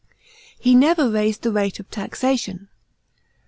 He never raised the rate of taxation.